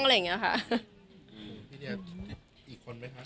พี่เดียอีกคนไหมคะ